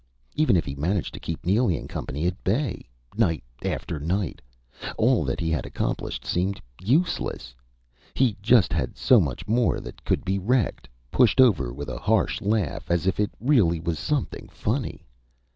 Even if he managed to keep Neely and Company at bay? Night after night.... All that he had accomplished seemed useless. He just had so much more that could be wrecked pushed over with a harsh laugh, as if it really was something funny.